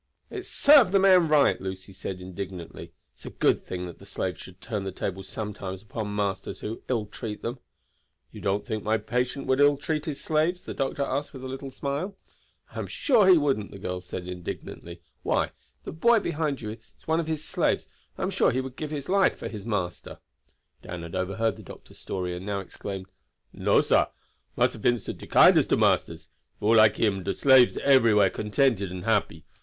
"It served the man right!" Lucy said indignantly. "It's a good thing that the slaves should turn the tables sometimes upon masters who ill treat them." "You don't think my patient would ill treat his slaves?" the doctor asked with a little smile. "I am sure he wouldn't," the girl said indignantly. "Why, the boy behind you is one of his slaves, and I am sure he would give his life for his master." Dan had overheard the doctor's story, and now exclaimed: "No, sah. Massa Vincent de kindest of masters. If all like him, do slaves everywhere contented and happy.